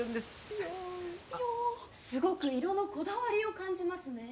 ピヨンすごく色のこだわりを感じますね